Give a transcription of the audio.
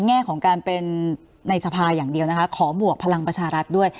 แง่ของการเป็นในสภาอย่างเดียวนะคะขอบวกพลังประชารัฐด้วย